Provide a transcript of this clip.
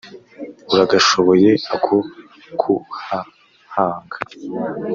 uragashoboye ako kuhahanga